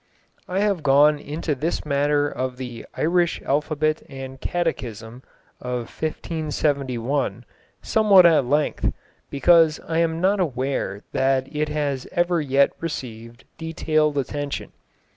I have gone into this matter of the Irish Alphabet and Catechism of 1571 somewhat at length, because I am not aware that it has ever yet received detailed attention.